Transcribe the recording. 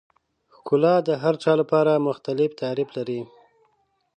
ښکلا د هر چا لپاره مختلف تعریف لري.